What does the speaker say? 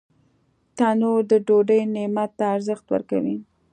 تنور د ډوډۍ نعمت ته ارزښت ورکوي